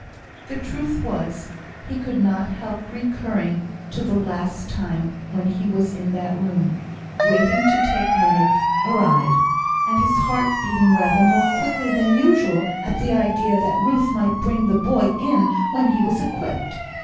The truth was, he could not help recurring to the last time when he was in that room, waiting to take Leonard a ride, and his heart beating rather more quickly than usual at the idea that Ruth might bring the boy in when he was equipped.